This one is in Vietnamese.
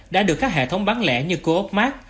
đã được các hệ thống bán lẻ như coopmart